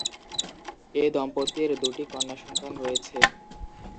এ দম্পতির দু'টি কন্যা সন্তান রয়েছে।